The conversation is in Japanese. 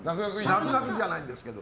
泣く泣くじゃないんですけど。